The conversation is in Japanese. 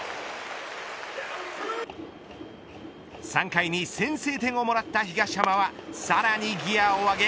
３回に先制点をもらった東浜はさらにギアを上げ